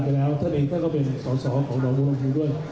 ไปแล้วท่านเองท่านก็เป็นสรษรของดรโรรงภูด้วย